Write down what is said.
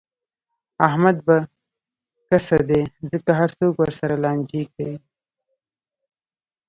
احمد به کسه دی، ځکه هر څوک ورسره لانجې کوي.